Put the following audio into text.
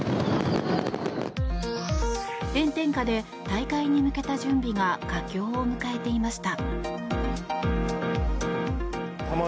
炎天下で、大会に向けた準備が佳境を迎えていました。